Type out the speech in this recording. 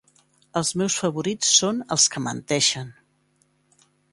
Els meus favorits són els que menteixen.